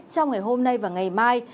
trong ngày hôm nay và ngày mai